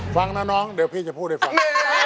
ฟังนะน้องเดี๋ยวพี่จะพูดให้ฟัง